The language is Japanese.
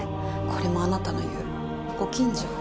これもあなたの言うご近所？